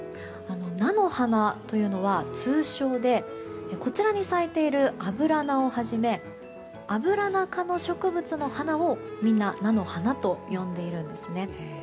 菜の花というのは通称で、こちらに咲いているアブラナをはじめアブラナ科の植物の花をみんな菜の花と呼んでいるんです。